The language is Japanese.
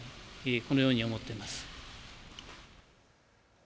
このように思っています。